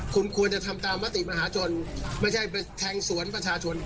คุณควรจะทำตามมติมหาชนไม่ใช่ไปแทงสวนประชาชน